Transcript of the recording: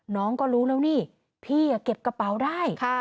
น้องก็รู้แล้วนี่พี่เก็บกระเป๋าได้